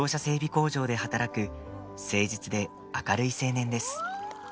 工場で働く誠実で明るい青年です。